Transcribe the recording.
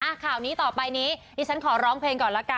ข่าวนี้ต่อไปนี้ดิฉันขอร้องเพลงก่อนละกัน